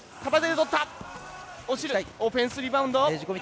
オフェンスリバウンド。